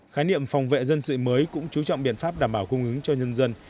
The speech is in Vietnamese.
khái niệm phòng vệ dân sự mới cũng chú trọng biện pháp đảm bảo cung ứng cho nhân dân